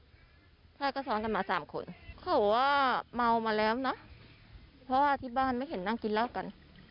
พ่อก็ซ้อนกันมาสามคนเขาบอกว่าเมามาแล้วนะเพราะว่าที่บ้านไม่เห็นนั่งกินเหล้ากัน